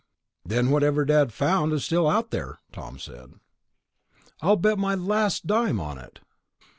"Then whatever Dad found is still out there," Tom said. "I'd bet my last dime on it."